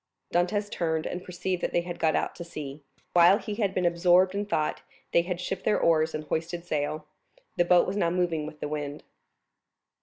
Dantès turned and perceived that they had got out to sea. While he had been absorbed in thought, they had shipped their oars and hoisted sail; the boat was now moving with the wind.